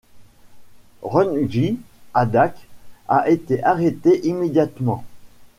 Runggye Adak a été arrêté immédiatement.